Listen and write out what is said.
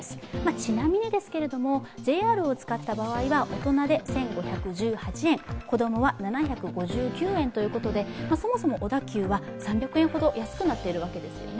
ちなみにですけどもＪＲを使った場合は大人で１５１８円、子供は７５９円ということで、そもそも小田急は３００円ほど安くなっているわけですね。